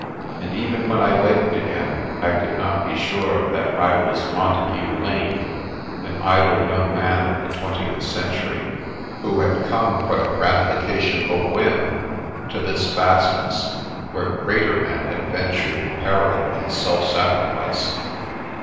And even when I waked again, I could not be sure that I was Montagu I^ne, an idle young man of the twentieth century, who had come for the gratification of a whim to no The Princess Passes this fastness where greater men had ventured in peril and self sacrifice.